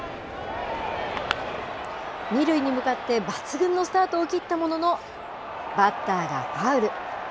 ２塁に向かって抜群のスタートを切ったものの、バッターがファウル。